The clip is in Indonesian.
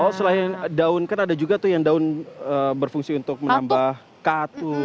oh selain daun kan ada juga tuh yang daun berfungsi untuk menambah katu